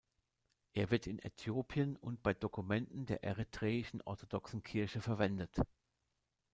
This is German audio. Er wird in Äthiopien und bei Dokumenten der eritreischen orthodoxen Kirche verwendet.